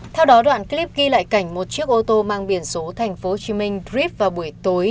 theo đó đoạn clip ghi lại cảnh một chiếc ô tô mang biển số tp hcm dep vào buổi tối